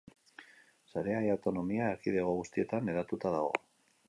Sarea ia autonomia erkidego guztietan hedatuta dago.